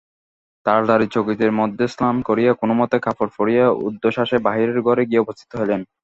তাড়াতাড়ি চকিতের মধ্যে স্নান করিয়া কোনোমতে কাপড় পরিয়া ঊর্ধ্বশ্বাসে বাহিরের ঘরে গিয়া উপস্থিত হইলেন।